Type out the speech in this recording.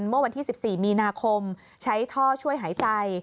เมื่อวันที่๑๔มีนาคมใช้ท่อช่วยหายใจ